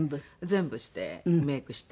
全部してメイクして。